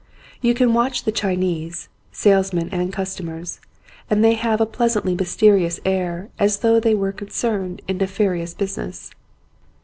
You can watch the Chinese, sales men and customers, and they have a pleasantly mysterious air as though they were concerned in nefarious business.